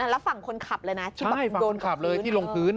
แล้วฝั่งคนขับเลยนะที่โดนถึงที่ลงพื้นครับ